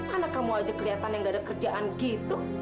anak kamu aja kelihatan yang gak ada kerjaan gitu